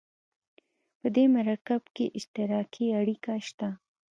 په دې مرکب کې اشتراکي اړیکه شته ده.